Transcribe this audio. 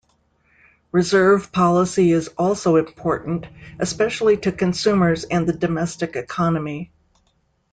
Reserve policy is also important, especially to consumers and the domestic economy.